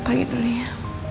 kita pagi dulu ya